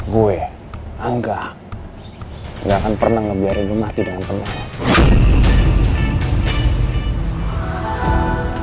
gue angga gak akan pernah ngebiarin lu mati dengan penyakit